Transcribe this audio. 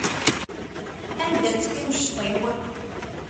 Anda-tt timceḍt-iw?